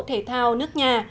thể thao nước nhà